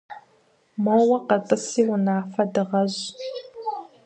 Моуэ къэтӏыси унафэ дыгъэщӏ.